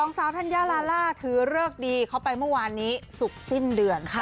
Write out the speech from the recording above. สองสาวทันยาลาลาถือเลือกดีเข้าไปเมื่อวานนี้สุขสิ้นเดือน